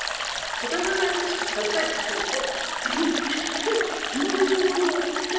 くだらないことじゃないと思う。